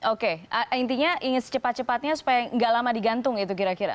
oke intinya ingin secepat cepatnya supaya nggak lama digantung itu kira kira